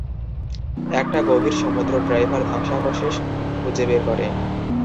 একটা গভীর সমুদ্র ডাইভার ধ্বংসাবশেষ খুঁজে বের করে।